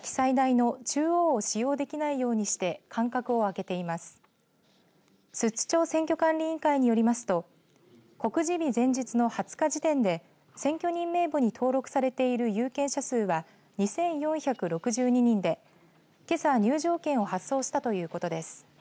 寿都町選挙管理委員会によりますと告示日前日の２０日時点で選挙人名簿に登録されている有権者数は２４６２人でけさ、入場券を発送したということです。